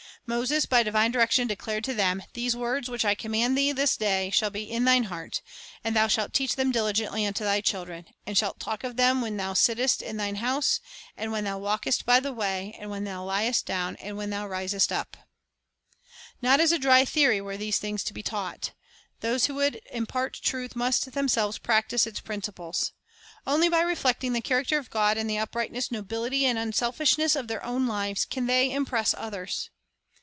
Moses Gods Law by divine direction declared to them: "These words, Taught w j 1 j c j 1 i command thee this day, shall be in thine heart; and thou shalt teach them diligently unto thy children, and shalt talk of them when thou sittest in thine house, and when thou walkest by the way, and when thou liest down, and when thou risest up." £ 1 Deut. 32: 10 12. 2 p s . 105:42 45. 3 Deut. 26 : 19; 28:10:4:6. 4 Ex. 34:6. 6 Deut. 6:6, 7. The Edttcation of Israel 41 Not as a dry theory were these things to be taught. Those who would impart truth must themselves practise its principles. Only by reflecting the character of God in the uprightness, nobility, and unselfishness of their own lives can they impress others.